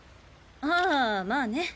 ああまあね。